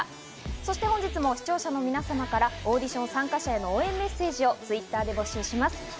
そして本日も視聴者の皆様からオーディション参加者への応援メッセージをＴｗｉｔｔｅｒで募集します。